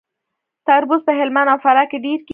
تربوز په هلمند او فراه کې ډیر کیږي.